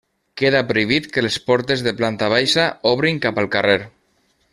Queda prohibit que les portes de planta baixa obrin cap al carrer.